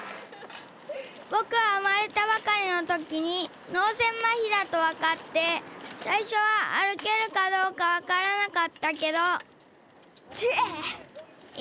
ぼくはうまれたばかりのときにのうせいまひだとわかってさいしょはあるけるかどうかわからなかったけどてい！